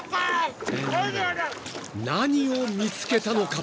［何を見つけたのか？］